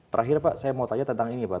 terakhir pak saya mau tanya tentang ini pak